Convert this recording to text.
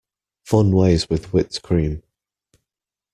Fun ways with whipped cream.